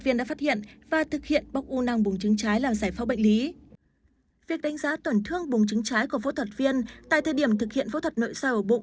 việc đánh giá tuần thương bùng trứng trái của phẫu thuật viên tại thời điểm thực hiện phẫu thuật nội sao ở bụng